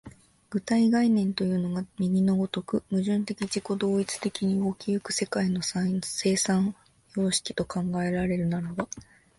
具体概念というのが右の如く矛盾的自己同一的に動き行く世界の生産様式と考えられるならば、